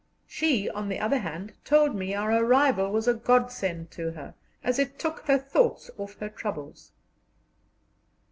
She, on the other hand, told me our arrival was a godsend to her, as it took her thoughts off her troubles.